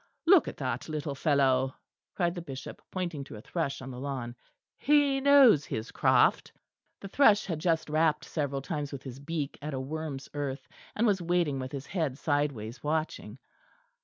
"Look at that little fellow!" cried the Bishop, pointing to a thrush on the lawn, "he knows his craft." The thrush had just rapped several times with his beak at a worm's earth, and was waiting with his head sideways watching.